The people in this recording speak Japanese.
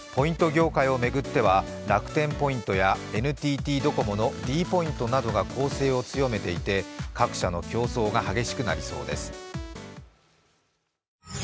業界を巡っては楽天ポイントやＮＴＴドコモのｄポイントなどが攻勢を強めていて各社の競争が激しくなりそうです。